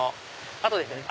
あとですね